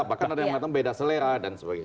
bahkan ada yang mengatakan beda selera dan sebagainya